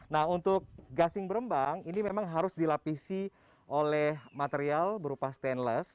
nah untuk gasing berembang ini memang harus dilapisi oleh material berupa stainless